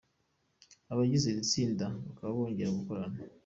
Abagize iri tsinda bakaba bongeye gukorana.